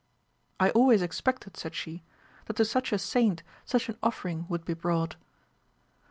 I always expected, said she, that to such a saint* such an offering would be brought.